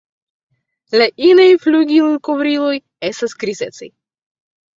La inaj flugilkovriloj estas grizecaj.